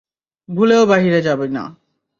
ভুলেও বাহিরে যাবি না!